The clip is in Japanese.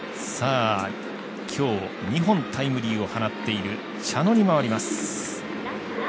今日２本タイムリーを放っている茶野に回ります。